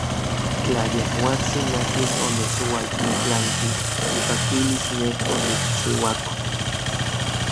Tla yejuatsin akin onechualtitlanki ipakilis nej onikchiuako.